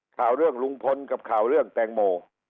ข่าวเรื่องลุงพลกับข่าวเรื่องแตงโม